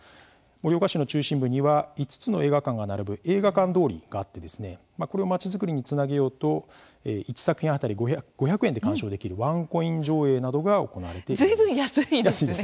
盛岡市の中心部には、５つの映画館が並ぶ映画館通りがあってこれを街づくりにつなげようと１作品当たり５００円で鑑賞できるワンコイン上映などが行われています。